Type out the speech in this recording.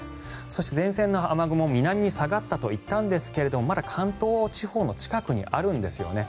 そして前線の雨雲南に下がったといいましたがまだ関東地方の近くにあるんですよね。